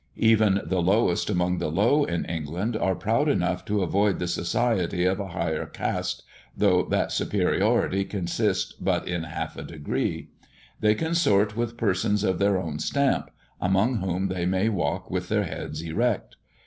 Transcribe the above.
Even the lowest among the low in England are proud enough to avoid the society of a higher caste, though that superiority consist but in half a degree. They consort with persons of their own stamp, among whom they may walk with their heads erect.